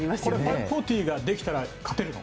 ５４０ができたら勝てるの？